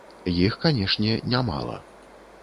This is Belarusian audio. Іх, канешне, не мала.